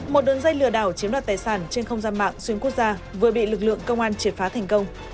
một đường dây lừa đảo chiếm đoạt tài sản trên không gian mạng xuyên quốc gia vừa bị lực lượng công an triệt phá thành công